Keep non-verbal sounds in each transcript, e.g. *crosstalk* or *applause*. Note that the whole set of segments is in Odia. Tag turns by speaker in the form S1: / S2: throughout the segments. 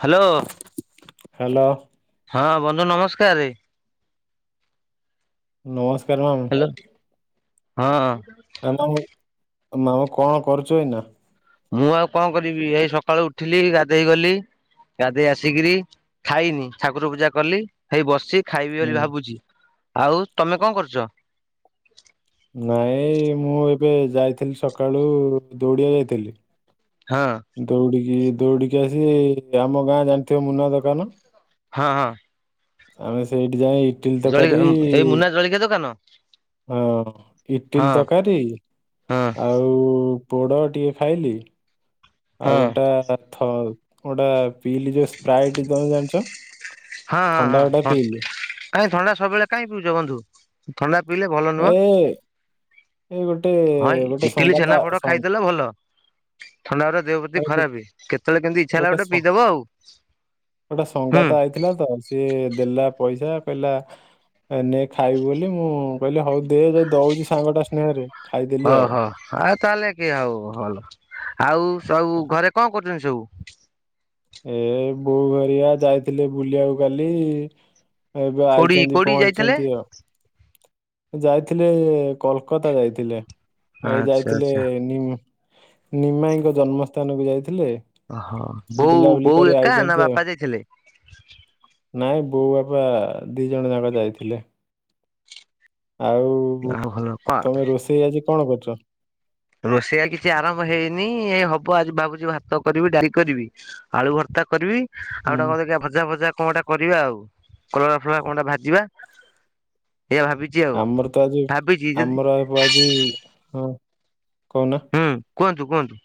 S1: ହ୍ୟାଲୋ।
S2: ହ୍ୟାଲୋ।
S1: ହଁ ବନ୍ଧୁ ନମସ୍କାର।
S2: ନମସ୍କାର ମାମୁଁ।
S1: ହ୍ୟାଲୋ ହଁ।
S2: ଆ ମାମ ମାମୁ କଣ କରୁଛ ଏଇନା?
S1: ମୁଁ ଆଉ କଣ କରିବି ଏଇ ସକାଳୁ ଉଠିଲି ଗାଧେଇ ଗଲି। ଗାଧେଇ ଆସିକିରି ଖାଇନି ଠାକୁର ପୂଜା କଲି। ହେଇ ବସିଛି ଖାଇବି
S2: ହୁଁ
S1: ବୋଲି ଭାବୁଛି ଆଉ ତମେ କଣ କରୁଛ?
S2: ନାଇଁ ମୁଁ ଏବେ ଯାଇଥିଲି ସକାଳୁ ଦୌଡିଆକୁ ଯାଇଥିଲି।
S1: ହଁ।
S2: ଦୌଡିକି ଦୌଡିକି ଆସି ଆମ ଗାଁ ଜାଣିଥିବ ମୁନା ଦୋକାନ।
S1: ହଁ ହଁ।
S2: ଆମେ ସେଇଠି ଯାଇ ଇଟିଲି
S1: ଜଳି
S2: ତରକାରୀ
S1: ଏଇ ମୁନା ଜଳଖିଆ ଦୋକାନ।
S2: ହଁ
S1: ହଁ
S2: ଇଟିଲ ତରକାରୀ
S1: ହଁ
S2: ଆଉ ଆଉ ପୋଡ ଟିକେ ଖାଇଲି ଆଉ
S1: ହଁ।
S2: ଗୋଟା ଗୋଟା ପିଇଲି ଯୋଉ ସ୍ପାଇଡି ତମେ ଜାଣିଛ।
S1: ହଁ
S2: ଥଣ୍ଡା
S1: ହଁ
S2: ଗୋଟା
S1: ହଁ
S2: ପିଇଲି।
S1: କାଇଁ ଥଣ୍ଡା ସବୁବେଳେ କାଇଁ ପିଉଛ ବନ୍ଧୁ? ଥଣ୍ଡା ପିଇଲେ ଭଲ
S2: ଏ
S1: ନୁହଁ।
S2: ଏ ଗୋଟେ
S1: ହଁ
S2: ଗୋଟେ
S1: ଇଟିଲି
S2: ସଙ୍ଗାତ
S1: ଛେନାପୋଡ ଖାଇଦେଲ ଭଲ। ଥଣ୍ଡାରେ ଦେହ ପ୍ରତି
S2: ଆରେ
S1: ଖରାପେ କେତେବେଳେ କେମିତି ଇଚ୍ଛା ହେଲା ଗୋଟେ ପିଇଦବ ଆଉ
S2: ଗୋଟେ
S1: ହୁଁ
S2: ସଙ୍ଗାତ ଆଇ ଥିଲା ତ ସିଏ ଦେଲା ପଇସା କହିଲା ନେ ଖାଇବୁ ବୋଲି ମୁଁ କହିଲି ହଉ ଦେ ଯଦି ଦଉଛି ସାଙ୍ଗଟା ସ୍ନେହରେ ଖାଇଦେଲି ଆଉ
S1: ଓହୋ ଆଉ ତାହେଲେ କିଏ ଆଉ ଭଲ ଆଉ ସବୁ ଘରେ କଣ କରୁ ଚନ୍ତି ସବୁ
S2: ଏ ବୋଉ ହେରିଆ ଯାଇଥିଲେ ବୁଲିବାକୁ କାଲି। ଏବେ
S1: କୋଉଠି
S2: ଆଇଛନ୍ତି
S1: କୋଉଠି ଯାଇଥିଲେ?
S2: ପହଞ୍ଚିଛନ୍ତି ଆଉ ଯାଇଥିଲେ କୋଲକାତା ଯାଇଥିଲେ ଏ
S1: ଆଚ୍ଛା
S2: ଯାଇଥିଲେ
S1: ଆଚ୍ଛା
S2: ନି ନିମାଇଙ୍କ ଜନ୍ମସ୍ଥାନକୁ ଯାଇଥିଲେ।
S1: ଓହୋ ବୋଉ
S2: ବୁଲାବୁଲି
S1: ବୋଉ
S2: କରି
S1: ଏକା ନା
S2: ଆଇଛନ୍ତି ଆଉ
S1: ବାପା ଯାଇଥିଲେ
S2: ନାଇଁ ବୋଉ ବାପା ଦି ଜଣ ଯାକ ଯାଇଥିଲେ ଆଉ
S1: ଭଲ କଣ
S2: ତମେ ରୋଷେଇ ଆଜି କଣ କରିଚ?
S1: ରୋଷେଇ କିଛି ଆରମ୍ଭ ହେଇନି ଏଇ ହବ ଆଜି ଭାବୁଛି ଭାତ କରିବି ଡାଲି କରିବି ଆଳୁ ଭର୍ତ୍ତା କରିବି ଆଉ
S2: ହୁଁ
S1: ଗୋଟେ କଣ ଭଜା ଭଜା କଣ ଗୋଟେ କରିବା ଆଉ କଲରା ଫଲରା କଣଟା ଭାଜିବା ଏଇଆ ଭାବି
S2: ଆମର ତ ଆଜି ଆମର ଆଜି ହଁ କହୁନା।
S1: ହୁଁ କୁହନ୍ତୁ କୁହନ୍ତୁ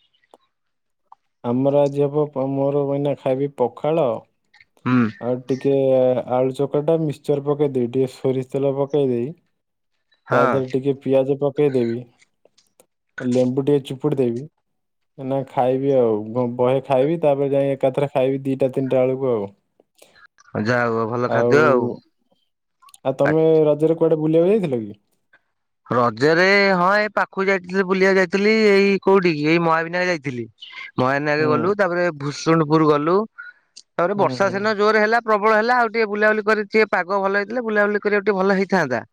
S2: ଆମର ଆଜି ହେବ ମୋର ଅଇନା ଖାଇବି ପଖାଳ
S1: ହୁଁ
S2: ଆଉ ଟିକେ ଆଳୁ ଚକଟା ମିକ୍ସଚର ପକେଇ ଦେଇ ଟିକେ ସୋରିଷ ତେଲ ପକେଇ ଦେବି ତା ଦେରେ
S1: ହଁ
S2: ଟିକେ ପିଆଜ ପକେଇଦବି ଲେମ୍ବୁ ଟିକେ ଚିପୁଡି ଦେବି ନା ଖାଇବି ଆଉ ବହେ ଖାଇବି ତାପରେ ଯାଇ ଏକାଥରେ ଖାଇବି ଦିଟା ତିନିଟା ବେଳକୁ ଆଉ
S1: ଯାହା ହଉ ଭଲ ଖାଦ୍ୟ
S2: ଆଉ ଆଉ ତମେ ରଜରେ କୁଆଡେ ବୁଲିବାକୁ ଯାଇଥିଲ କି
S1: ରଜରେ ହଁ ଏଇ ପାଖକୁ ଯାଇଥିଲି ବୁଲିବାକୁ ଯାଇଥିଲି ଏଇ କୋଉଠି କି ଏଇ ମହାବିନାୟ ଯାଇଥିଲି ମହାୟାନ
S2: ହୁଁ
S1: ଗଲୁ ତାପରେ ଭୁଷୁଣ୍ଡପୁର ଗଲୁ ତାପରେ
S2: ହୁଁ
S1: ବର୍ଷା
S2: ହୁଁ
S1: ସିନା ଜୋରେ ହେଲା ପ୍ରବଳ ହେଲା ଆଉ ଟିକେ ବୁଲାବୁଲି କରି ଟିକେ ପାଗ ଭଲ ହେଇଥିଲେ ବୁଲାବୁଲି କରିବାକୁ ଟିକେ ଭଲ ହେଇଥାନ୍ତା।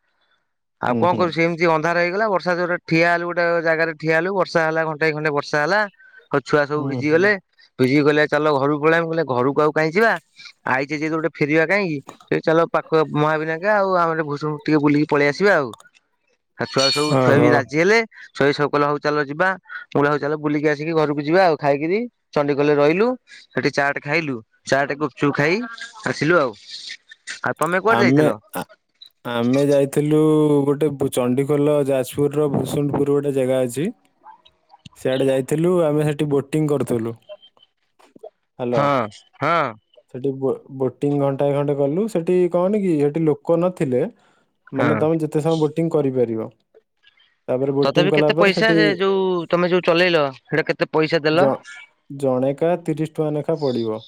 S1: ଆଉ
S2: ହୁଁ
S1: କଣ
S2: ହୁଁ
S1: କରୁ ସେମିତି ଅନ୍ଧାର ହେଇଗଲା ବର୍ଷା ଜରେ ଠିଆ ହେଲା ଗୋଟେ ଜାଗାରେ ଠିଆ ହେଲୁ ବର୍ଷା ହେଲା ଘ ଘଣ୍ଟାଏ ଖଣ୍ଡେ ବର୍ଷା ହେଲା ଆଉ ଛୁଆ ସବୁ
S2: ହୁଁ
S1: ଭିଜି
S2: ହୁଁ
S1: ଗଲେ ଭିଜିଗଲେ ଚାଲ ଘରକୁ ପଳେଇବା ମୁଁ କଇଲି ଘରକୁ ଆଉ କାହିଁ ଯିବା ଆଇ ଯେ ଗୋଟେ ଫେରିବା କାହିଁକି ସେ ଚାଲ ପାଖ ମହାବିନାୟକ ଆଉ ଆମର ଭୂଷଣ୍ତ ଟିକେ ବୁଲିକି ପଳେଇ ଆସିବା ଆଉ ଆଉ ଛୁଆ ସବୁ ଉଛୁଆ
S2: ଓହୋ
S1: ହେଇକି ରାଜି ହେଲେ। ଛୁଆ ସବୁ କହିଲେ ହଉ ଚାଲ ଯିବା ମୁଁ ହଉ ଚାଲ ବୁଲିକି ଆସିକି ଘରକୁ ଯିବା ଆଉ ଖାଇକିରି ଚଣ୍ଡିଖୋଲ ରେ ରହିଲୁ ସେଠି ଚାଟ୍ ଖାଇଲୁ ଚାଟ୍ ଗୁପ୍‌ଚୁପ୍ ଖାଇ ଆସିଲୁ ଆଉ ଆଉ ତମେ କୁଆଡେ
S2: ଆମେ
S1: ଯାଇଥିଲ?
S2: ଆମେ ଯାଇଥିଲୁ ଗୋଟେ ଚଣ୍ଡିଖୋଲ ଯାଜପୁର ର ଭୁସୁଣ୍ଡପୁରୁ ଗୋଟେ ଜାଗା ଅଛି ସେଆଡେ ଯାଇଥିଲୁ ଆମେ ସେଠି ବୋଟିଂ କରୁଥିଲୁ। ହ୍ୟାଲୋ
S1: ହଁ ହଁ
S2: ସେଠି ବୋଟିଂ ଘଣ୍ଟାଏ ଘଣ୍ଟେ କଲୁ ସେଠି କହନ କି ସେଠି ଲୋକ ନଥିଲେ
S1: ହଁ
S2: ମାନେ ତମେ ଯେତେ ସମୟ ବୋଟିଂ କରିପାରିବ। ତାପରେ ବୋଟିଂ
S1: ତଥାପି
S2: କଲା
S1: କେତେ
S2: ପରେ
S1: ପଇସା
S2: ସେଠି
S1: ସେ ଯୋଉ ତମେ ଯୋଉ ଚଲେଇଲ ସେଇଟା କେତେ ପଇସା ଦେଲ
S2: ଜ- ଜଣେକା ତିରିଶି ଟଙ୍କା ଲେଖା ପଡିବ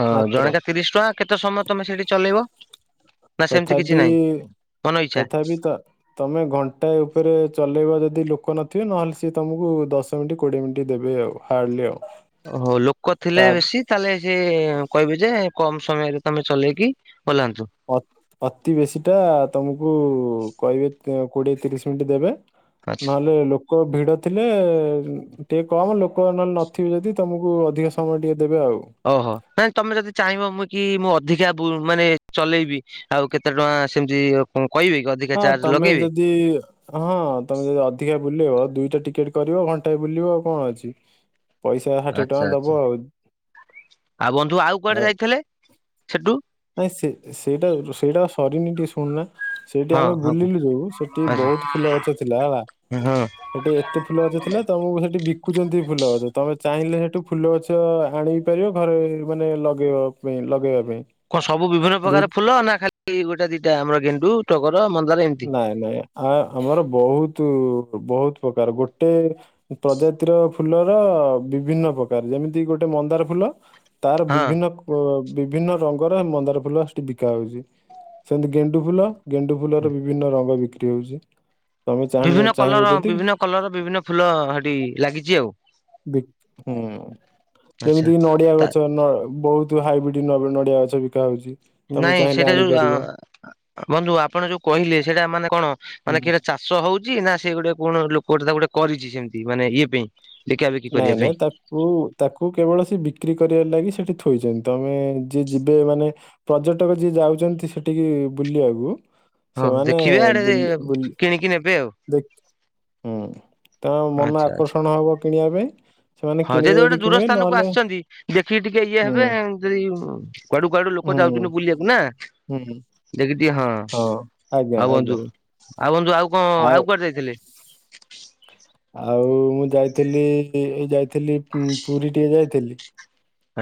S1: ହଁ
S2: ମାତ୍ର
S1: ଜଣେକା ତିରିଶି ଟଙ୍କା, କେତେ ସମୟ ତମେ ସେଇଠି ଚଲେଇବ? ନା ସେମିତି କିଛି
S2: ତଥାପି
S1: ନାହିଁ ମନ ଇଚ୍ଛା?
S2: ତଥାପି ତ ତମେ ଘଣ୍ଟାଏ ଉପରେ ଚଲେଇବ ଯଦି ଲୋକ ନଥିବେ ନହେଲେ ସିଏ ତୁମକୁ ଦଶ ମିନିଟ୍ କୋଡ଼ିଏ ମିନିଟ୍ ଦେବେ ଆଉ। ହାର୍ଡଲି ଆଉ
S1: ଓହୋ ଲୋକ
S2: ତା
S1: ଥିଲେ ବେଶୀ ତାହେଲେ ସିଏ କହିବେ ଯେ କମ ସମୟରେ ତମେ ଚଲେଇକି ଓଲାନ୍ତୁ।
S2: ଅତି ବେଶୀ ଟା ତମକୁ କହିବେ କୋଡିଏ ତିରିଶ ମିନିଟ୍ ଦେବେ
S1: ଆଚ୍ଛା।
S2: ନହେଲେ ଲ ଲୋକ ଭିଡ ଥିଲେ ଟିକେ କମ ଲୋକ ନହେଲେ ନଥିବେ ଯଦି ତମକୁ ଅଧିକ ସମୟ ଟିକେ ଦେବେ ଆଉ।
S1: ଓହୋ ନାଇଁ ତମେ ଯଦି ଚାହିଁବ ମୁଁ କି ମୁଁ ଅଧିକା ମାନେ ଚଲେଇବି। ଆଉ କେତେ ଟଙ୍କା ସେମିତି କହିବେ କି? ଅଧିକା
S2: ହଁ
S1: ଚାର୍ଜ
S2: ତମେ
S1: ଲଗେଇବେ?
S2: ଯଦି ହଁ ତମେ ଯଦି ଅଧିକା ବୁଲିବ ଦିଇଟା ଟିକେଟ କରିବ ଘଣ୍ଟାଏ ବୁଲିବ ଆଉ କଣ ଅଛି। ପଇସା ଷାଠିଏ ଟଙ୍କା
S1: ଆଚ୍ଛା
S2: ଦବ
S1: ଆଚ୍ଛା
S2: ଆଉ।
S1: ଆଉ ବନ୍ଧୁ ଆଉ କୁଆଡେ ଯାଇଥିଲେ ସେଠୁ?
S2: ନାଇଁ ସେ ସେଇଟା ସେଇଟା ସରିନି ଟିକେ ଶୁଣୁନା ସେଇଠି
S1: ହଁ
S2: ଆମେ
S1: ହଁ କୁହ।
S2: ବୁଲିଲୁ ଯୋଉ ସେଠି ବହୁତ ଫୁଲ ଗଛ ଥିଲା ହେଲା।
S1: ହୁଁ ହୁଁ
S2: ସେଠି ଏତେ ଫୁଲ ଗଛ ଥିଲା ତମକୁ ସେଠି ବିକୁଛନ୍ତି ଫୁଲ ଗଛ ତମେ ଚାହିଁଲେ ସେଠୁ ଫୁଲ ଗଛ ଆଣି ପାରିବ ଘରେ ମାନେ ଲଗେଇବ। ପାଇଁ ଲଗେଇବା ପାଇଁ
S1: କଣ ସବୁ ବିଭିନ୍ନ
S2: ଦୁଇ
S1: ପ୍ରକାର ଫୁଲ ନା ଖାଲି ଗୋଟେ ଦିଟା ଆମର ଗେଣ୍ଡୁ, ଟଗର, ମନ୍ଦାର ଏମିତି
S2: ନାଇଁ ନାଇଁ ଆ ଆମର ବହୁତ ବହୁତ ପ୍ରକାର ଗୋଟେ ପ୍ରଜାତିର ଫୁଲର ବିଭିନ୍ନ ପ୍ରକାର ଯେମିତି ଗୋଟେ ମନ୍ଦାର ଫୁଲ ତାର
S1: ହଁ।
S2: ବିଭିନ୍ନ ବିଭିନ୍ନ ରଙ୍ଗର ମନ୍ଦାର ଫୁଲ ସେଠି ବିକା ହଉଛି ସେମିତି ଗେଣ୍ଡୁ ଫୁଲ ଗେଣ୍ଡୁ ଫୁଲର ବିଭିନ୍ନ ରଙ୍ଗ ବିକ୍ରି ହେଉଛି ତମେ ଚାଣିବ
S1: ବିଭିନ୍ନ କଲର
S2: ଚାହିଁବ ଯଦି
S1: ବିଭିନ୍ନ କଲର ର ବିଭିନ୍ନ ଫୁଲ ସେଠି ଲାଗିଛି ଆଉ।
S2: ହୁଁ
S1: ଆଚ୍ଛା।
S2: ଯେମିତିକ ନଡିଆ
S1: ତା
S2: ଗଛ ବହୁତ ହାଇବ୍ରିଡ ନଡିଆ ଗଛ ବିକା ହଉଛି ତମେ
S1: ନାଇଁ
S2: ଚାହିଁଲେ
S1: ସେଇଟା ଯୋଉ
S2: ଆଣିପାରିବ
S1: ଆ ଆପଣ ଯୋଉ କହିଲେ ସେଇଟା ମାନେ କଣ
S2: ହୁଁ
S1: ମାନେ କିଟା ଚାଷ ହଉଛି ନା ସେ ଗୋଟେ କଣ ଲୋକୋଟେ ତାକୁ ଗୋଟେ କରିଛି ସେମିତି ମାନେ ଇଏ ପାଇଁ ବିକା ବିକି
S2: ନାଇଁ
S1: କରିବା ପାଇଁ
S2: ନାଇଁ ତା କୁ ତାକୁ କେବଳ ସେ ବିକ୍ରି କରିବାର ଲାଗି ସେଠି ଥୋଇଛନ୍ତି। ତମେ ଯିଏ ଯିବେ ମାନେ ପର୍ଯ୍ୟଟକ ଯିଏ ଯାଉଛନ୍ତି ସେଠିକି ବୁଲିବାକୁ
S1: ହଉ
S2: ସେମାନେ
S1: ଦେଖିବେ ଆଡେ
S2: ବୁଲି ବୁଲି
S1: କିଣିକି ନେବେ ଆଉ
S2: ଦେଖ ହୁଁ ତ ମନ
S1: ଆଚ୍ଛା ଆଚ୍ଛା
S2: ଆକର୍ଷଣ ହବ। କିଣିବା ପାଇଁ ସେମାନେ
S1: ହଁ ଯଦି
S2: କିଣିବେ
S1: ଗୋଟେ ଦୂର
S2: କିଣିବେ
S1: ସ୍ଥାନକୁ
S2: ନହେଲେ
S1: ଆସିଛନ୍ତି ଦେଖିକି ଟିକେ ଇଏ
S2: ହୁଁ
S1: ହେବେ ଯଦି କୁଆଡୁ କୁଆଡୁ ଲୋକ
S2: ହୁଁ
S1: ଯାଉଛନ୍ତିଛନ୍ତି ବୁଲିବାକୁ ନା
S2: ହୁଁ
S1: ଦେଖି ଟିକେ ହଁ
S2: ଆଜ୍ଞା
S1: ହଉ
S2: ଆଜ୍ଞା
S1: ବନ୍ଧୁ ଆଉ ବନ୍ଧୁ ଆଉ କଣ ଆଉ କୁଆଡେ ଯାଇଥିଲେ?
S2: ଆଉ ମୁଁ ଯାଇଥିଲି ଏ ଯାଇଥିଲି ପୁରୀ ଟିକେ ଯାଇଥିଲି।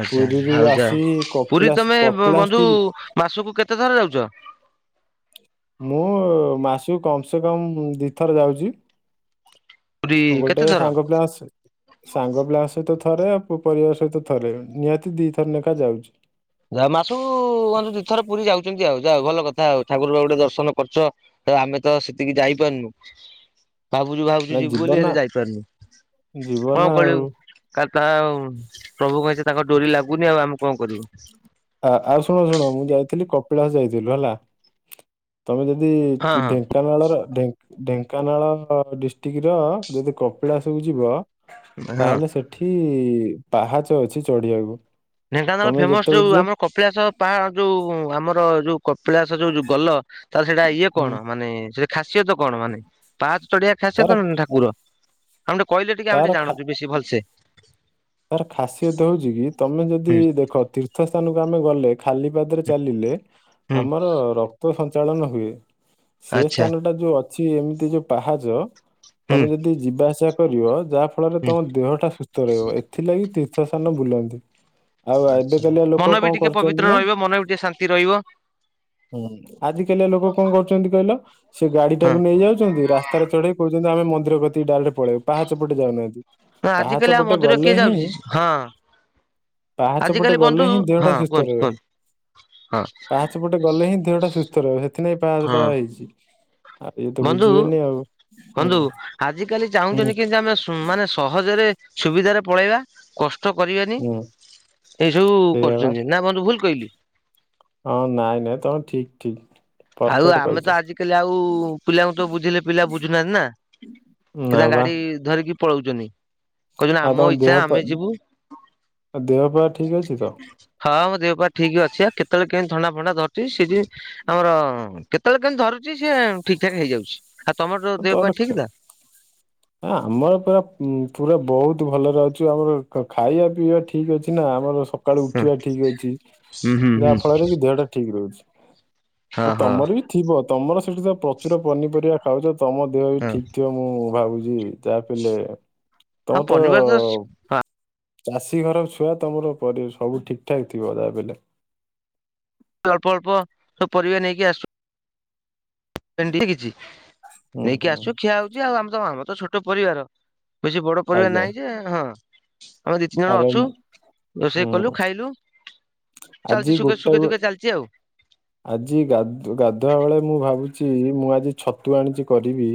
S1: ଆଚ୍ଛା
S2: ପୁରୀରୁ
S1: ଆଉ ଯା
S2: ଆସି
S1: ପୁରୀ
S2: କପିଳାସ
S1: ତମେ ବନ୍ଧୁ
S2: କପିଳାସଟି
S1: ମାସକୁ କେତେ ଥର ଯାଉଛ?
S2: ମୁଁ ମାସକୁ କମ ସେ କମ ଦିଥର ଯାଉଛି।
S1: ପୁରୀ
S2: ହଁ
S1: କେତେ
S2: ଗୋଟେ
S1: ଥର?
S2: ସାଙ୍ଗ ପିଲା ଅସୁ ସାଙ୍ଗ ପିଲାଙ୍କ ସହିତ ଥରେ ଆଉ ପରିବାର ସହିତ ଥରେ ନିହାତି ଦି ଥର ଲେଖା ଯାଉଛ।
S1: ଯା ମାସକୁୁ ଦୁଇ ଥର ପୁରୀ ଯାଉଛନ୍ତି ଆଉ ଯା ଭଲ କଥା ଆଉ ଠାକୁର ଙ୍କୁ ଟିକେ ଗୋଟେ ଦର୍ଶନ କରଛ। ତ ଆମେ ତ ସେତିକି ଯାଇପାରୁନୁ।
S2: ହ
S1: ଭାବୁଚି-ଭାବୁଚି ଯିବି ବୋଲି ହେଲେ ଯାଇପାରୁନି,
S2: ଯିବ ନା
S1: କଣ
S2: ଆଉ
S1: *unintelligible* *unintelligible* ପ୍ରଭୁଙ୍କ ଇଚ୍ଛା ତାଙ୍କ ଡୋରି ଲାଗୁନି ଆଉ ଆମେ କଣ କରିବୁ।
S2: ଆ ଆଉ ସବୁ ଶୁଣୁ ମୁଁ ଯାଇଥିଲି କପିଳାସ ଯାଇଥିଲୁ ହେଲା, ତମେ ଯଦି
S1: ହଁ
S2: *unintelligible*
S1: ହଁ
S2: ଢେଙ୍କାନାଳର ଢେଙ୍କାନାଳ ଡିଷ୍ଟ୍ରିକ୍ଟର ଯଦି କପିଳାସ କୁ ଯିବ
S1: ହଁ।
S2: ତାହେଲେ ସେଠି ପାହାଚ ଅଛି ଚଢିଆକୁ।
S1: ଢେଙ୍କାନାଳ ଫେମସ୍ ଯୋଉ ଆମର କପିଳାସ ପାହା ଯୋଉ ଆମର ଯୋଉ କପିଳାସ ଯୋଉ ଗଲ ତାହେଲେ ସେଇଟା ଇଏ
S2: ହୁଁ,
S1: କଣ ମାନେ ସେ ଖାସିୟତ କଣ ମାନେ ପାହାଚ ଚଢିଆ
S2: ତାର
S1: ଖାସିୟତ ଠାକୁର ଆମେ ଟିକେ କହିଲେ ଟିକେ ଆମେ ଟିକେ
S2: ତାର
S1: ଜାଣନ୍ତୁ ବେଶୀ ଭଲସେ।
S2: ତାର ଖାସିୟତ ହଉଚି କି ତମେ ଯଦି
S1: ହୁଁ
S2: ଦେଖ ତୀର୍ଥ ସ୍ଥାନକୁ ଆମେ ଗଲେ ଖାଲି ପାଦରେ ଚାଲିଲେ
S1: ହୁଁ
S2: ଆମର ରକ୍ତ ସଞ୍ଚାଳନ ହୁଏ। ସେ
S1: ଆଚ୍ଛା
S2: ସ୍ଥାନଟା ଯୋଉ ଅଛି ଏମ୍ତି ଯୋଉ ପାହାଚ,
S1: ହୁଁ
S2: ତମେ ଯଦି ଯିବା ଆସିବା କରିବ ଯା ଫଳରେ
S1: ହୁଁ।
S2: ତମ ଦେହଟା ସୁସ୍ଥ ରହିବ, ଏଥିଲାଗି ତୀର୍ଥ ସ୍ଥାନ ବୁଲନ୍ତି। ଆଉ ଏବେକାଲିଆ ଲୋକ
S1: ମନ ବି
S2: କଣ
S1: ଟିକେ
S2: କରୁଛନ୍ତି
S1: ପବିତ୍ର
S2: ନା
S1: ରହିବ ମନ ବି ଟିକେ ଶାନ୍ତି ରହିବ।
S2: ହୁଁ ଆଜି କାଲିଆ ଲୋକ କଣ କରୁଚନ୍ତି କହିଲ ସେ ଗାଡି ଟାକୁ ନେଇଯାଉଚନ୍ତି ରାସ୍ତାରେ ଚ କହୁଚନ୍ତି ଆମେ ମନ୍ଦିର କତିକି ଡାଇରେକ୍ଟ୍ ପଳେଇବୁ, ପାହାଚ ପଟେ ଯାଉନାହାନ୍ତି। ପାହାଚ
S1: ଆଜିକାଲି ଆଉ
S2: ପଟେ
S1: ମନ୍ଦିର
S2: ଗଲେ
S1: କିଏ
S2: ହିଁ
S1: ଯାଉଚି ହଁ।
S2: ପାହାଚ ପଟେ
S1: ଆଜିକାଲି ବନ୍ଧୁ
S2: ଗଲେ ହିଁ
S1: ହଁ
S2: ଦେହଟା ସୁସ୍ଥ
S1: କୁହନ୍ତୁ
S2: ରହିବ।
S1: କୁହନ୍ତୁ ହଁ।
S2: ପାହାଚ ପଟେ ଗଲେ ହିଁ ଦେହଟା ସୁସ୍ଥ ରହିବ, ସେଥିିନେଇ ପାହାଚଟା ହେଇଚି। ହୁଁ
S1: ବନ୍ଧୁ-ବନ୍ଧୁ, ଆଜି କାଲି
S2: ହୁଁ
S1: ଚାହୁଁଚନ୍ତି କିନ୍ତି ଆମେ ହଁ ମାନେ ସହଜରେ ସୁବିଧାରେ ପଳେଇବା। କଷ୍ଟ କରିବାନି
S2: ହୁଁ
S1: ଏଇସବୁ
S2: ସେଇଆ ବା
S1: କରୁଚନ୍ତି, ନା ବନ୍ଧୁ ଭୁଲ୍ କହିଲି?
S2: ହଁ ନାଇଁ-ନାଇଁ ତମେ ଠିକ୍-ଠିକ୍।
S1: ଆଉ ଆମେ ତ ଆଜିକାଲି ଆଉ ପିଲାଙ୍କୁ ତ ବୁଝେଇଲେ ପିଲା ବୁଝୁନାହାନ୍ତି ନା। ସେ
S2: ନାଁ
S1: ତାଙ୍କ
S2: ବା।
S1: ଗାଡି ଧରିକି ପଳଉଚନ୍ତି। କହୁଚନ୍ତି
S2: ଆଉ
S1: ଆମ
S2: ତମ
S1: ଇଛା
S2: ଦେହ ପା
S1: ଆମେ ଯିବୁ।
S2: ଦେହ ପା ଠିକ୍ ଅଛି ତ?
S1: ହଁ ମୋ ଦେହପା ଠିକ୍ ଅଛି ଆ କେତଳେ କେନ୍ତି ଥଣ୍ଡା ଫଣ୍ଡା ଧରିଚି ସିଜିନ୍ ଆମର ହଁ କେତଳେ କେନ୍ତି ଧରୁଚି ସିଏ ଠିକ୍ ଠାକ୍ ହେଇଯାଉଚି।
S2: *inaudible* ହ ଆମର ପୁରା-ପୁରା ବହୁତ୍ ଭଲରେ ଅଛୁ, ଆମର ଖାଇବା ପିଇବା ଠିକ୍ ଅଛି ନା ଆମର ସ କାଳୁ ଉଠିବା ଠିକ୍ ଅଛି,
S1: ହୁଁ ହୁଁ
S2: ଯାହା
S1: ହୁଁ।
S2: ଫଳରେ କି ଦେହଟା ଠିକ୍ ରହୁଚି,
S1: ହଁ
S2: ଆଉ
S1: ହଁ
S2: ତମର ବି ଥିବ ତମର ସେଠି ତ ପ୍ରଚୁର ପନିପରିବା ଖାଉଚ ତମ ଦେହ ବି
S1: ହଁ
S2: ଠିକ ଥିବ ମୁଁ ଭାବୁଚି, ଯାହା ପିଲେ
S1: ହଁ
S2: ତମର ତ
S1: ପନିପରିବା ତ ହଁ
S2: ଚାଷୀ ଘର ଛୁଆ ତମର ପରି ସବୁ ଠିକ୍ ଠାକ୍ ଥିବ ଯା ବି ହେଲେ।
S1: ଅଳ୍ପ-ଅଳ୍ପ ସବୁ ପରିବା ନେଇକି ଆସୁ। ଭେଣ୍ଡି କିଛି
S2: ହୁଁ
S1: ନେଇକି
S2: ହୁଁ।
S1: ଆସୁଚୁ ଖିଆ ହଉଚି ଆଉ, ଆମର ତ ଆମର ତ ଛୋଟ ପରିବାର। ବେଶି ବଡ ପରିବାର
S2: ଆଜ୍ଞା
S1: ନାହିଁ ଯେ ହଁ। ଆମେ ଦି ତିନି ଜଣ
S2: ଆରେ
S1: ଅଛୁ
S2: ମୁଁ-
S1: ରୋଷେଇ କଲୁ
S2: ହୁଁ
S1: ଖାଇଲୁ।
S2: ଆଜି
S1: ଚାଲିଚି ସୁଖେ
S2: ଗୋଟେ
S1: ସୁୁଖେ
S2: ବେ
S1: ଦୁଃଖେ ଚାଲିଚି ଆଉ।
S2: ଆଜି ଗାଦ୍ ଗାଧୁଆ ବେଳେ ମୁଁ ଭାବୁଚି ମୁଁ ଆଜି ଛତୁ ଆଣିଚି କରିବି।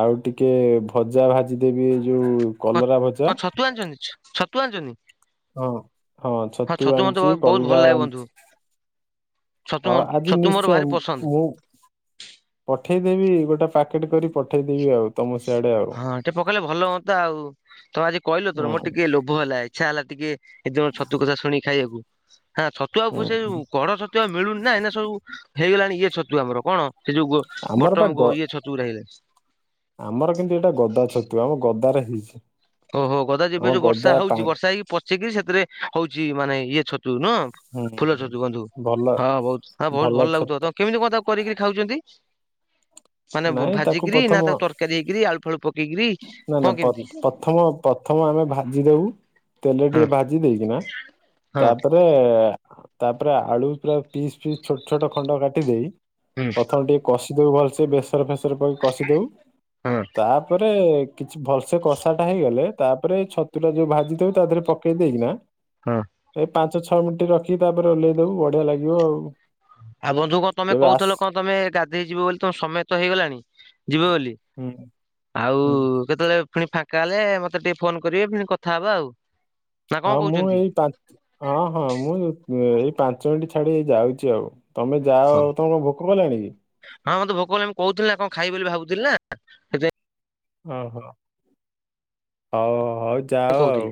S2: ଆଉ ଟିକେ ଭଜା ଭାଜିଦେବି ଏଯୋଉ
S1: କଣ
S2: କଲରା
S1: କଣ
S2: ଭଜା।
S1: ଛତୁ ଆଣିଚନ୍ତି ଛତୁ ଆଣିଚନ୍ତି?
S2: ହଁ-ହଁ ଛତୁ ଆଣିଚି
S1: ବହୁତ ଭଲ
S2: କଲରା
S1: ଲାଗେ ବନ୍ଧୁ
S2: ଆଣିଚି।
S1: ଛତୁ
S2: ହଁ, ଆଜି
S1: ଛତୁ ମୋର
S2: ନିଶ୍ଚୟ
S1: ଭାରି ପସନ୍ଦ।
S2: ମୁଁ ପଠେଇଦବି ଗୋଟେ ପାକେଟି କରିକ୍
S1: ହଁ ଟିକେ ପକେଇଲେ ଭଲ ହୁଅନ୍ତା ଆଉ। ତମେ ଆଜି କହିଲ ତୋର
S2: ହୁଁ
S1: ମୋର ଟିକେ ଲୋବ୍ ଭ ହେଲା ଇଛା ହେଲା ଟିକେ ଏଦ ଛତୁ କଥା ଶୁଣି ଖାଇବାକୁ। ହାଁ ଛତୁ ଆଉକୁ ସେ
S2: ହୁଁ।
S1: କଢ ଛତୁ ଛତୁ ଆଉ ମିଳୁନି ନା ଏଇନା ସବୁ ହେଇଗଲାଣି ଇଏ ଛତୁ ଆମର କଣ ସେ ଯୋଉ
S2: ଆମର ପା
S1: ବଟମ
S2: ଗ
S1: ଇଏ ଛତୁ। ଚୁରା ହେଇଗଲାଣି।
S2: ଆମର କିନ୍ତୁ ଏଇଟା ଗଦା ଛତୁ ଆମ ଗଦାରେ ହେଇଚି।
S1: ଓହୋ ଗଦା ଯୋ ଏବେ ଯୋଉ ବର୍ଷା ହଉଚି ବର୍ଷା ହେଇକି ପଚିକିରି ସେଥିରେ ହଉଚି ମାନେ ଇଏ ଛତୁ ନୁହଁ।
S2: ହୁଁ
S1: ଫୁଲ
S2: ହୁଁ
S1: ଛଚୁ ବନ୍ଧୁ।
S2: ଭଲ
S1: ହଁ ବହୁତ୍ ହଁ ବହୁତ୍ ଭଲ ଲାଗୁଥିବ ତ କେମିତି କଣ ତାକୁ କରିକିରି ଖାଉଚନ୍ତି? ମାନେ
S2: ନାଇଁ ତାକୁ
S1: ଭାଜିକିରି ନା
S2: ପ୍ରଥମ
S1: ତାକୁ ତରକାରୀ ହେଇକିରି ଆଳୁ ଫାଳୁ ପକେଇକିରି
S2: ନା ନା
S1: କଣ
S2: ପ-
S1: କେମିତି?
S2: ପ୍ରଥମ ପ୍ରଥମ ଆମେ ଭାଜିଦଉ। ତେଲେରେ
S1: ହଁ
S2: ଟିକେ ଭାଜି ଦେଇକିନା
S1: ହଁ
S2: ତାପରେ ତାପରେ ତାପରେ ଆଳୁ ପୁରା ପିସ୍ ପିସ୍ ଛୋଟ୍ ଛୋଟ୍ ଖଣ୍ଡ କାଟିଦେଇ
S1: ହୁଁ
S2: ପ୍ରଥମେ ଟିକେ କଷିଦଉ ଭଲ୍ ସେ ବେସର ଫେସର ଫେସର କରି କଷି ଦଉ,
S1: ହଁ
S2: ତାପରେ କିଛି ଭଲସେ କଷା ଟା ହେଇଗଲେ ତାପରେ ଛତୁ ଟା ଯୋଉ ଭାଜିଦଉ ତା ଦେହରେ ପକେଇ ଦେଇକିନା
S1: ହଁ।
S2: ଏଇ ପାଞ୍ଚ ଛଅ ମିନିଟ୍ ରଖିକି ତାପରେ ଓହ୍ଲେଇ ଦବୁ ବଢିଆ ଲାଗିବ ଆଉ।
S1: ଆଉ ବନ୍ଧୁ କଣ ତମେ
S2: କେବେ ଆସ
S1: କହୁଥିଲ କଣ ତମେ ଗାଧେଇ ଯିବ ବୋଲି ତମ ସମୟତ ହେଇଗଲାଣି ଯିବ ବେଲି।
S2: ହୁଁ
S1: ଆଉ
S2: ହୁଁ
S1: କେତେବେଳେ ଫୁଣି ଫାଙ୍କା ହେଲେ ମତେ ଟିକେ ଫୋନ କରିବେ ଫିଣି କଥା ହବା ଆଉ। ନା କଣ
S2: ହଁ ମୁଁ
S1: କହୁଛନ୍ତି?
S2: ଏଇ ପା-ହଁ ହଁ ମୁଁ ଏଇ ପାଞ୍ଚ ମିଣ୍ଟି ଛାଡିକି ଯାଉଚି ଆଉ। ତମେ ଯାଅ,
S1: ହଁ
S2: ତମୁକୁ ଭୋକ କଲାଣି କି?
S1: ହଁ ମତେ ଭୋକ କଲାଣି ମୁଁ କହୁଥିଲ ନା କଣ ଖାଇବି ବୋଲି ଭାବୁଥିଲି ନା। *inaudible*
S2: ଅ ହ, ହଉ ହଉ ଯାଅ
S1: କହୁଥିଲି।
S2: ଆଉ।